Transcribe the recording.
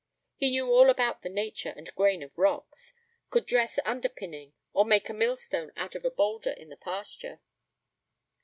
He knew all about the nature and grain of rocks, could dress underpinning, or make a millstone out of a boulder in the pasture.